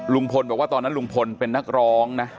ลุงพลบอกว่าตอนนั้นลุงพลเป็นนักร้องนะ